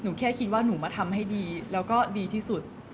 แค่คิดว่าหนูมาทำให้ดีแล้วก็ดีที่สุด